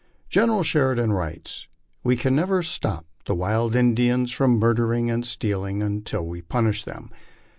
General Sheridan writes, " We can never stop the wild Indians from murdering and stealing until we punish them.